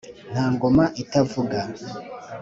Nta ngoma itavuga